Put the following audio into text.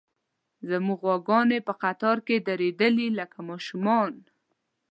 زموږ غواګانې په قطار کې درېدلې، لکه ماشومان.